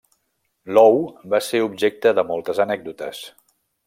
L'ou va ser objecte de moltes anècdotes.